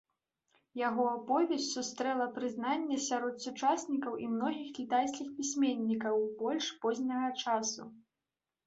Яго аповесць сустрэла прызнанне сярод сучаснікаў і многіх кітайскіх пісьменнікаў больш позняга часу.